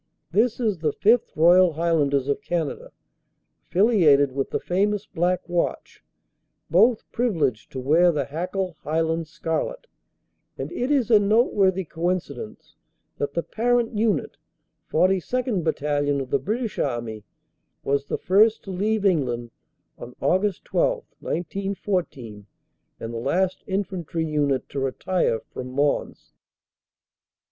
This is the 5th. Royal Highlanders of Canada, affiliated with the famous Black Watch, both privileged to wear the Hackle Highland Scarlet, and it is a noteworthy coincidence that the parent unit, 42nd. Battalion of the British Army, was the first to leave England on Aug. 12, 1914, and the last infantry unit to retire from Mons.